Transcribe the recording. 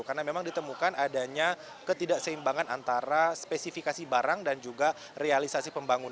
karena memang ditemukan adanya ketidakseimbangan antara spesifikasi barang dan juga realisasi pembangunan